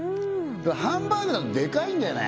ハンバーグだとでかいんだよね